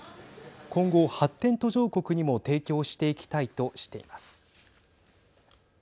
今後、発展途上国にも提供していきたいとしています。